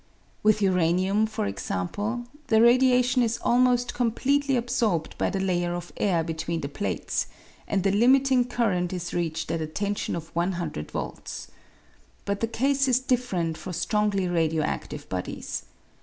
With uranium, for example, the radiation is almost completely absorbed by the layer of air between the plates, and the limiting current is reached at a tension of 100 volts. But the case is different for strongly radio adtive bodies.